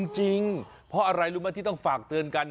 จริงเพราะอะไรรู้ไหมที่ต้องฝากเตือนกัน